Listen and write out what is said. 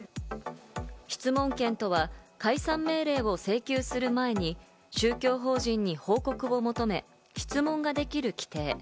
質問権とは解散命令を請求する前に宗教法人に報告を求め、質問ができる規定。